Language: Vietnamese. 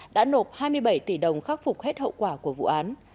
đã nộp hai mươi bảy tỷ đồng khắc phục hết hậu quả của vụ án